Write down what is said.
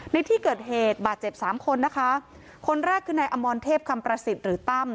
ในที่เกิดเหตุบาดเจ็บสามคนนะคะคนแรกคือนายอมรเทพคำประสิทธิ์หรือตั้ม